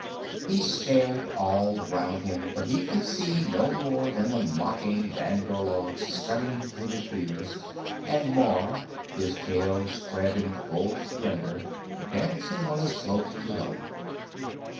He stared all round him, but he could see no more than the mocking bandar log scudding through the trees, and Mor, his tail spread in full splendor, dancing on the slopes below.